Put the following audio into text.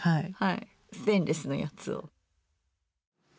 ステンレスのやつを。